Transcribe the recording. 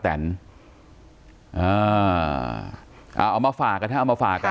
เออเอามาฝากันช่วยเอามาฝากัน